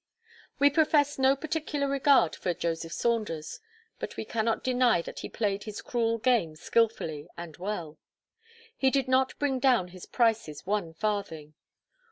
We profess no particular regard for Joseph Saunders; but we cannot deny that he played his cruel game skilfully and well. He did not bring down his prices one farthing.